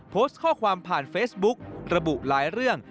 โพสต์ข้อความผ่านเฟซบุ๊กระบุหลายเรื่อง